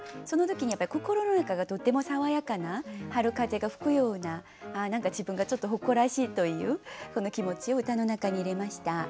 その時に心の中がとても爽やかな春風が吹くような何か自分がちょっと誇らしいというそんな気持ちを歌の中に入れました。